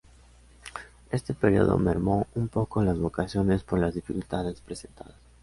Este período mermó un poco las vocaciones por las dificultades presentadas.